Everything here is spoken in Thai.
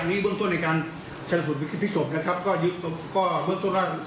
อันนี้เบื้องต้นในการชัดสูตรพิศพศ์นะครับ